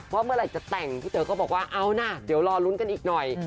เมื่อไหร่จะแต่งพี่เต๋อก็บอกว่าเอานะเดี๋ยวรอลุ้นกันอีกหน่อย